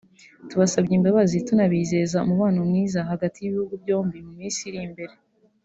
tubasabye imbabazi tunabizeza umubano mwiza hagati y’ibihugu byombi mu minsi iri imbere